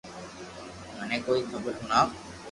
مني ڪوئي خبر ھڻاوُ